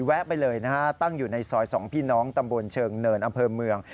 ไปเลยนะฮะตั้งอยู่ในซอย๒พี่น้องตำบลเชิงเนินอำเภอเมือง